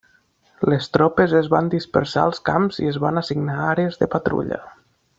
Les tropes es van dispersar als camps i es van assignar àrees de patrulla.